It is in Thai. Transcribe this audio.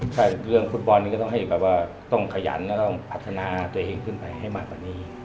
ถ้าเรื่องฟุตบอลก็ต้องให้แบบว่าต้องขยันและต้องพัฒนาตัวเองขึ้นไปให้มากกว่านี้